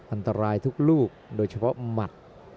อันตรายทุกลูกโดยเฉพาะหมัด